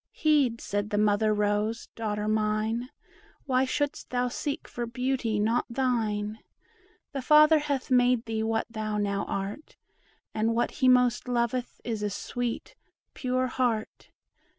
"Heed," said the mother rose, "daughter mine, Why shouldst thou seek for beauty not thine? The Father hath made thee what thou now art; And what he most loveth is a sweet, pure heart.